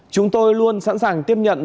chúng tôi luôn sẵn sàng tiếp nhận